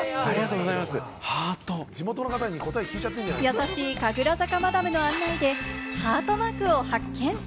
優しい神楽坂マダムの案内でハートマークを発見。